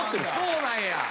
そうなんや。